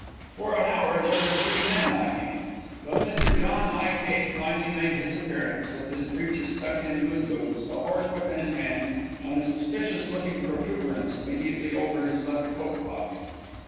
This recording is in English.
For an hour there were three men lacking; but Mr. John I. Cake finally made his appearance, with his breeches tucked into his boots, a horsewhip in his hand, and a suspicious looking protuberance immediately over his left coat pocket.